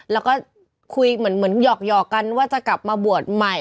แล้วก็คุยเหมือนหยอกกันว่าจะกลับมาบวชใหม่